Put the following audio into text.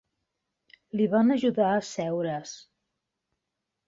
Li van ajudar a seure"s.